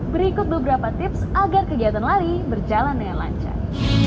berikut beberapa tips agar kegiatan lari berjalan dengan lancar